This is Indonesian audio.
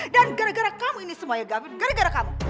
dan gara gara kamu ini semuanya gafin gara gara kamu